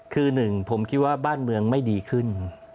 คือหนึ่งผมคิดว่าบ้านเมืองไม่ดีขึ้น